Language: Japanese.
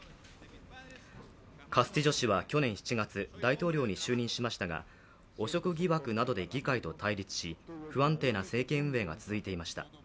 カスティジョ氏は去年７月、大統領に就任しましたが汚職疑惑などで議会と対立し不安定な政権運営が続いていました。